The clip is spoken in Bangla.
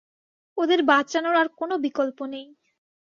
ওদের বাঁচানোর আর কোনো বিকল্প নেই।